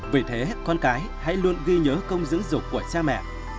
vì thế con cái hãy luôn ghi nhớ công dưỡng dục của cha mẹ